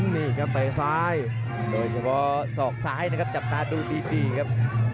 นี่ครับเตะซ้ายโดยเฉพาะศอกซ้ายนะครับจับตาดูดีครับ